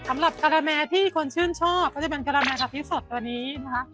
สำหรับการาแมที่คนชื่นชอบก็จะเป็นกระดาแมงกะทิสดตัวนี้นะคะ